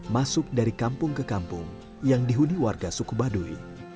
masuk dari kampung ke kampung yang dihuni warga suku baduy